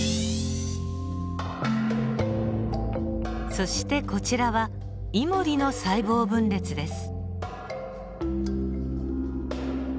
そしてこちらはイモリの細胞分裂です。